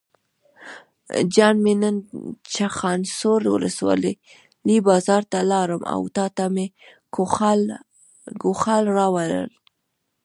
جان مې نن چخانسور ولسوالۍ بازار ته لاړم او تاته مې ګوښال راوړل.